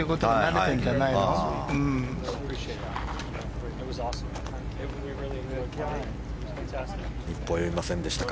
一歩及びませんでしたか。